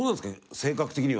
性格的には。